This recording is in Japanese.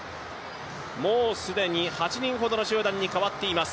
もう既に８人ほどの集団に変わっています。